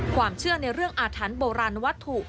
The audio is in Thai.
ความเชื่อในเรื่องอาถรรพ์โบราณวัตถุ